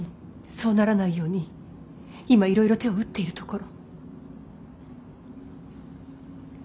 そうならないように今いろいろ手を打っているところ。